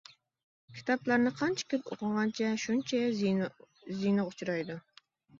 كىتابلارنى قانچە كۆپ ئوقۇغانچە شۇنچە زىيىنىغا ئۇچرايدۇ.